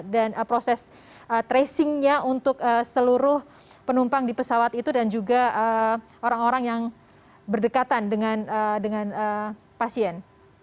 dan proses tracing nya untuk seluruh penumpang di pesawat itu dan juga orang orang yang berdekatan dengan pasien